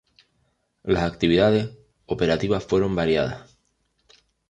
Las actividades operativas fueron variadas.